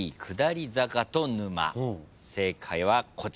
正解はこちらです。